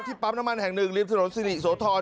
ปั๊มน้ำมันแห่งหนึ่งริมถนนสิริโสธร